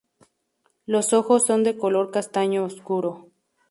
Los ojos son de color castaño oscuro.